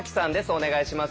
お願いします。